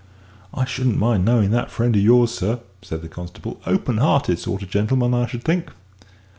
"I shouldn't mind knowin' that friend o' yours, sir," said the constable; "open hearted sort o' gentleman, I should think?"